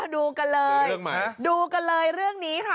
ดูกันเลยดูกันเลยเรื่องนี้ค่ะ